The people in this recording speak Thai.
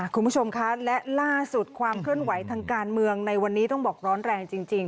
คุณผู้ชมคะและล่าสุดความเคลื่อนไหวทางการเมืองในวันนี้ต้องบอกร้อนแรงจริง